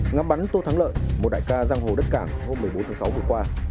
ngắm bắn tô thắng lợi một đại ca giang hồ đất cảng hôm một mươi bốn tháng sáu vừa qua